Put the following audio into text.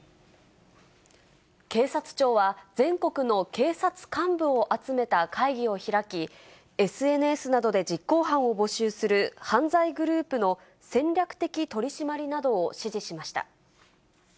警察庁は、全国の警察幹部を集めた会議を開き、ＳＮＳなどで実行犯を募集する犯罪グループの戦略的取締りなどを指示しました。